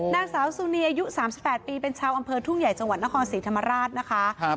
นางสาวซูนีอายุ๓๘ปีเป็นชาวอำเภอทุ่งใหญ่จังหวัดนครศรีธรรมราชนะคะ